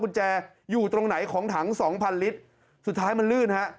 คุณแจอยู่ตรงไหนของถังสองพันลิตรสุดท้ายมันลื่นฮะ